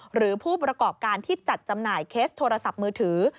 หรือผู้ประกอบการที่จัดจำหน่ายเคสโทรศัพท์มือถือ